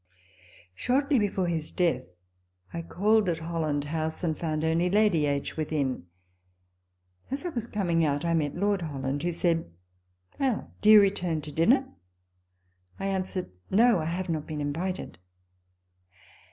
Shortly before his death, I called at Holland House, and found only Lady H. within. As I was coming out, I met Lord Holland, who said, " Well, do you return to dinner ?" I answered, " No ; I have not been invited."